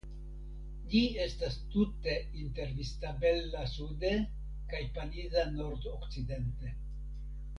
Ĝi estas tute inter Vistabella sude kaj Paniza nordokcidente.